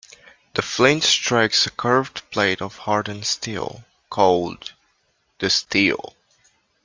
The flint strikes a curved plate of hardened steel, called the "steel".